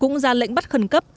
cũng ra lệnh bắt khẩn cấp